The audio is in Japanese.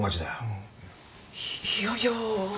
いやいや。